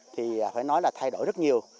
thì phải nói là thay đổi rất nhiều